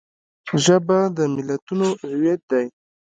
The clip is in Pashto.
ژبه د ملتونو هویت دی